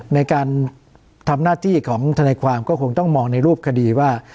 ในการทำหน้าที่ของทนายความก็คงต้องมองในรูปคดีว่า